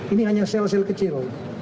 ini hanya sel sel kecil